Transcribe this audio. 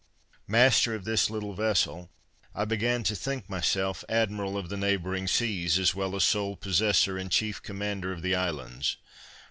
Master of this little vessel, I began to think myself admiral of the neighboring seas, as well as sole possessor and chief commander of the islands.